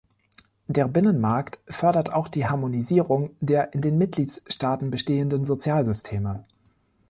Der Binnenmarkt fördert auch die Harmonisierung der in den Mitgliedstaaten bestehenden Sozialsysteme.